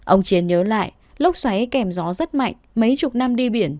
ông chiến nhớ lại lốc xoáy kèm gió rất mạnh mấy chục năm đi biển